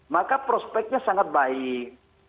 maka prospeknya sangat baik